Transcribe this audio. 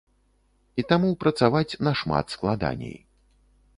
І таму працаваць нашмат складаней.